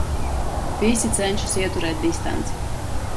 Visi cenšas ieturēt distanci.